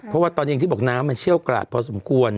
เพราะว่าตอนนี้อย่างที่บอกน้ำมันเชี่ยวกราดพอสมควร